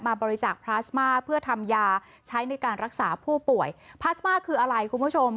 บริจาคพลาสมาเพื่อทำยาใช้ในการรักษาผู้ป่วยพลาสมาคืออะไรคุณผู้ชม